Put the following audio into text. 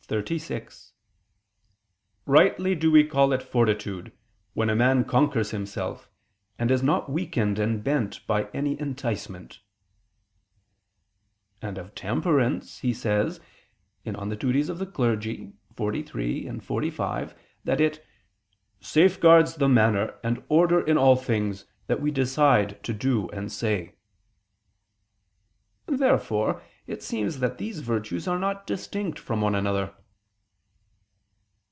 xxxvi): "Rightly do we call it fortitude, when a man conquers himself, and is not weakened and bent by any enticement." And of temperance he says (De Offic. xliii, xlv) that it "safeguards the manner and order in all things that we decide to do and say." Therefore it seems that these virtues are not distinct from one another.